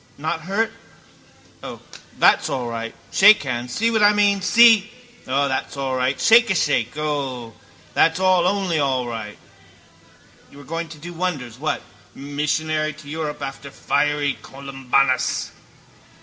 Not hurt? O, that's all right. Shake hands. See what I meant, see? O, that's all right. Shake a shake. O, that's all only all right. You were going to do wonders, what? Missionary to Europe after fiery Columbanus.